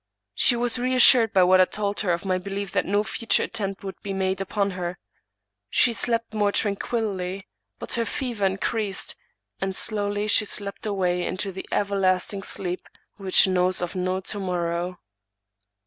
She was reassured by what I told her of my belief that no future attempt would be made upon her. She slept more tranquilly — but her fever in creased; and slowly she slept away into the everlasting sleep which knows of no to morrow.